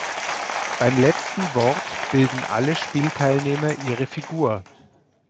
Beim letzten Wort bilden alle Spielteilnehmer ihre Figur.